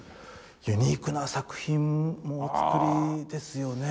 ユニークな作品もお作りですよね？